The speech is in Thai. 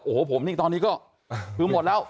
โอ้โหผมนี่ตอนนี้ก็คือหมดแล้ว